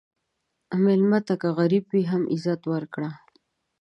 مېلمه ته که غریب وي، هم عزت ورکړه.